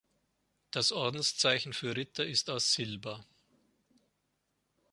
Das Ordenszeichen für Ritter ist aus Silber.